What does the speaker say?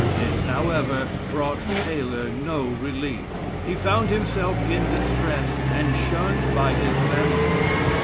This, however, brought Taylor no relief; he found himself in distress, and shunned by his family.